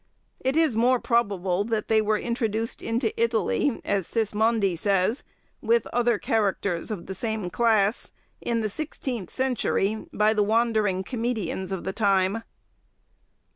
It is more probable that they were introduced into Italy, as Sismondi says, with other characters of the same class, in the sixteenth century, by the wandering comedians of the time.